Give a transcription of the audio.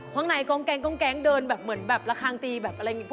ข้างในกร้องแก๊งเดินเหมือนระคางตีแบบนี้